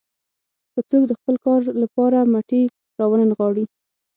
که څوک د خپل کار لپاره مټې راونه نغاړي.